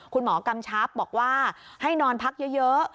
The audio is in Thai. คุณหมอกำชัพบอกว่าให้นอนพักเยอะ